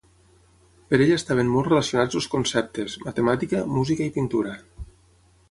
Per ell estaven molt relacionats els conceptes: matemàtica, música i pintura.